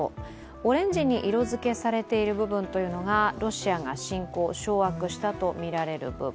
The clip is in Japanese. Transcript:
オレンジに色づけされている部分がロシアが侵攻、掌握したとみられる部分。